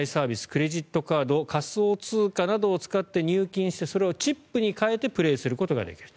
クレジットカード仮想通貨などを使って入金してそれをチップに換えてプレーすることができる。